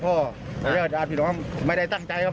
ขอโทษแม่ครับขอโทษพ่ออ่าพี่น้องไม่ได้ตั้งใจครับ